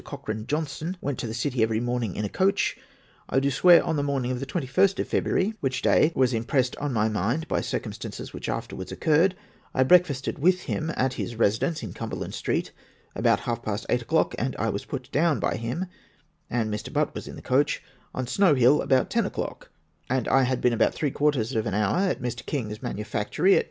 Coch i ane Johnstone went to the City every morning in a coach, I do swear on the morning of the 21st of February (which day was impressed on my mind by circumstances which after wards occurred) I breakftisted with him, at his residence in Cumberland Street, about half past eight o'clock, and I was put down by him (and Mr. Butt was in the coach) on Snow hill about ten o'clock ; that I had been al)0ut three quarters of an hour at Mr. King's manufactory, at No.